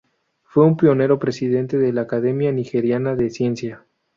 Fue un pionero presidente de la Academia Nigeriana de Ciencia.